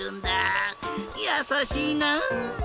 やさしいな！